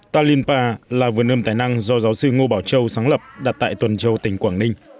talinpa là vườn ươm tài năng do giáo sư ngô bảo châu sáng lập đặt tại tuần châu tỉnh quảng ninh